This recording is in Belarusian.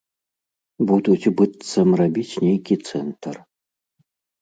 Будуць быццам рабіць нейкі цэнтр.